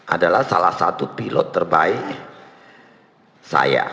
adalah salah satu pilot terbaik saya